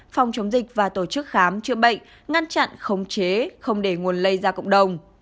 phòng chống dịch và tổ chức khám chữa bệnh ngăn chặn khống chế không để nguồn lây ra cộng đồng